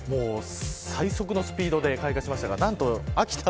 最速のスピードで開花しました。